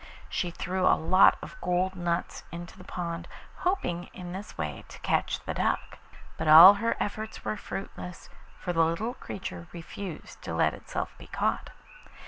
She threw a lot of gold nuts into the pond, hoping in this way to catch the duck, but all her efforts were fruitless, for the little creature refused to let itself be caught.